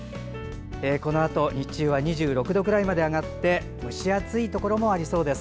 このあと、日中は２６度くらいまで上がって蒸し暑いところもありそうです。